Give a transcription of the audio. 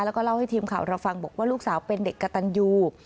แล้วก็เล่าให้ทีมข่าวเราฟังบอกว่าลูกสาวเป็นเด็กกระตันยู